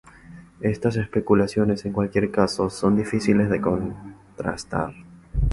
Estas especulaciones en cualquier caso son difíciles de contrastar.